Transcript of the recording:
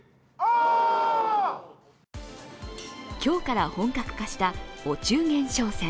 今日から本格化したお中元商戦。